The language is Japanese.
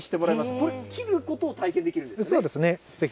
これ、切ることを体験できるんでそうですね。